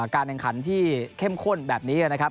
การแข่งขันที่เข้มข้นแบบนี้นะครับ